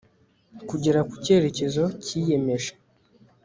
kugera ku cyerekezo cyiyemeje